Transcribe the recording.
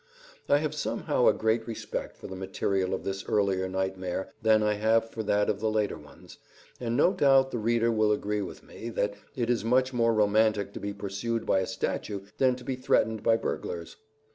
I have somehow a greater respect for the material of this earlier nightmare than I have for that of the later ones, and no doubt the reader will agree with me that it is much more romantic to be pursued by a statue than to be threatened by burglars.